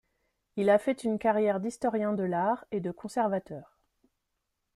Il a fait une carrière d'historien de l'art et de conservateur.